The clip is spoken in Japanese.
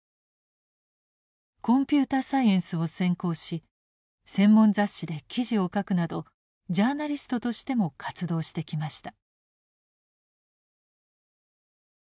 コンピューターサイエンスを専攻し専門雑誌で記事を書くなどジャーナリストとしても活動してきました。